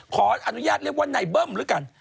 ขออนุญาตเรียกว่านายเบิ้มแล้วกัน